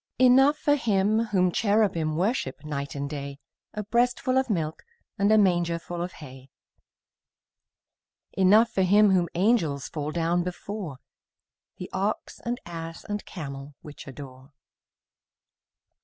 Enough for Him whom cherubim Worship night and day, A breastful of milk And a mangerful of hay; Enough for Him whom angels Fall down before, The ox and ass and camel Which adore.